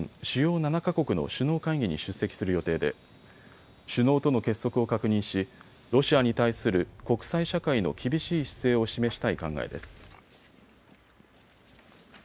主要７か国の首脳会議に出席する予定で首脳との結束を確認しロシアに対する国際社会の厳しい姿勢を示したい考えです。